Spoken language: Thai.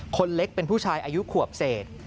คนเล็กเป็นผู้ชายอายุขวบเศษ